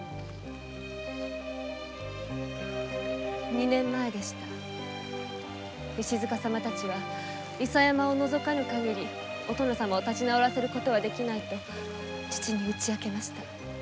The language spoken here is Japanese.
二年前でした石塚様たちは伊佐山を除かぬかぎりお殿様を立ち直らせる事はできないと父に打ち明けました。